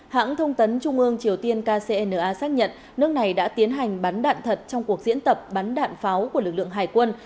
hãng thông tấn trung ương triều tiên kcna xác nhận nước này đã tiến hành bắn đạn thật trong cuộc diễn tập bắn đạn pháo của lực lượng hải quân